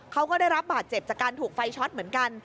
เขาก็ได้รับบาดเจ็บจากการถูกไฟช็อตเหมือนกัน